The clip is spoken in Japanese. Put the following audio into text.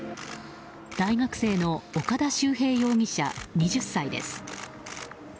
大学生の岡田秀平容疑者、２０歳です。